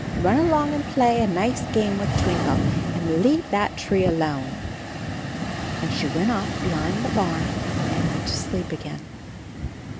Run along and play a nice game with Twinkle, and leave that tree alone." And she went off behind the barn and went to sleep again.